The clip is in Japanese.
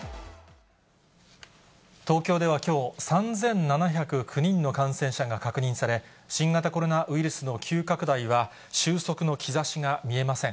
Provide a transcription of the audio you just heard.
東京ではきょう、３７０９人の感染者が確認され、新型コロナウイルスの急拡大は収束の兆しが見えません。